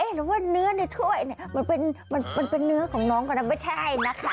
เห็นไหมว่าเนื้อในถ้วยมันเป็นของน้องก็แล้วไม่ใช่นะคะ